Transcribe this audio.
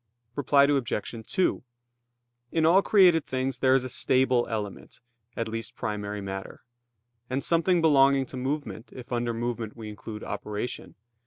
Reply Obj. 2: In all created things there is a stable element, at least primary matter; and something belonging to movement, if under movement we include operation.